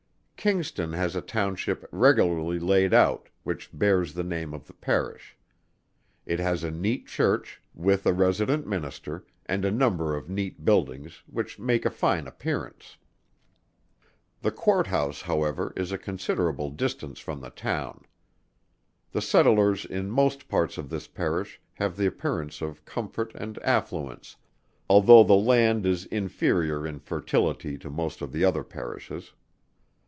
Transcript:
Kingston has a Township regularly laid out, which bears the name of the Parish. It has a neat Church, with a resident Minister, and a number of neat buildings, which make a fine appearance. The Court House, however, is a considerable distance from the Town. The settlers in most parts of this Parish have the appearance of comfort and affluence, although the land is inferior in fertility to most of the other Parishes.